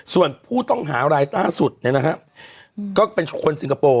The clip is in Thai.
ส่วนผู้ต้องหารายล่าสุดเนี่ยนะฮะก็เป็นคนสิงคโปร์